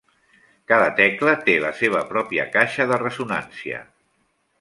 Cada tecla té la seva pròpia caixa de ressonància.